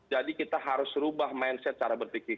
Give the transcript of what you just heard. jadi kita harus ubah mindset cara berpikir